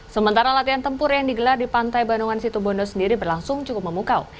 sementara latihan tempur yang digelar di pantai bandungan situbondo sendiri berlangsung cukup memukau